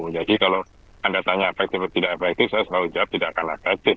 jadi kalau anda tanya efektif atau tidak efektif saya selalu jawab tidak akan efektif